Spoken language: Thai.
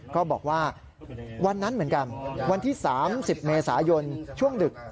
ก็บอกว่าวันนั้นเหมือนกันวันที่๓๐เมษายนช่วงดึก